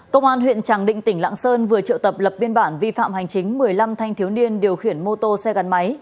công an huyện tràng định tỉnh lạng sơn vừa triệu tập lập biên bản vi phạm hành chính một mươi năm thanh thiếu niên điều khiển mô tô xe gắn máy